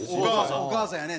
お母さんやね。